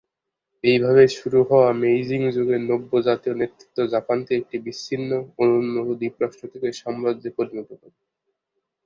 এইভাবে শুরু হওয়া মেইজি যুগের নব্য জাতীয় নেতৃত্ব জাপানকে একটি বিচ্ছিন্ন, অনুন্নত দ্বীপরাষ্ট্র থেকে সাম্রাজ্যে পরিণত করে।